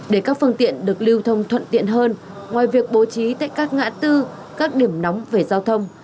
để các phương tiện được lưu thông thuận tiện hơn ngoài việc bố trí tại các ngã tư các điểm nóng về giao thông